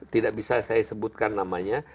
tidak bisa saya sebutkan namanya